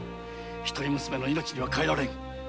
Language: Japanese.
一人娘の命には代えられん。